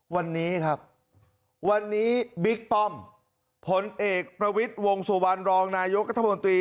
วันนี้ครับวันนี้บิ๊กปล่อมผลเอกประวิดวงตร์สวรรค์รองนายโยฆฒัฒนบอลตรี